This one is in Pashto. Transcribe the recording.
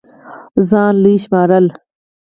ځان لوے شمارل